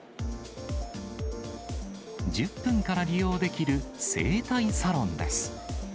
１０分から利用できる整体サロンです。